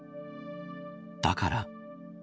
だから。